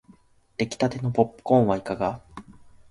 できたてのポップコーンはいかが